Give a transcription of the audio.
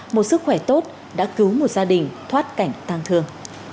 một sức khỏe tốt đã cứu một gia đình thoát cảnh tăng thương